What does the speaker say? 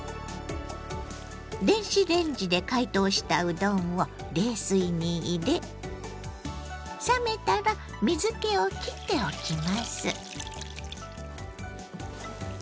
電子レンジで解凍したうどんを冷水に入れ冷めたら水けをきっておきます。